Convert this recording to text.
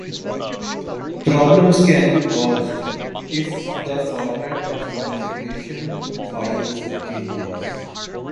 Problems can be caused if the format of configuration files changes.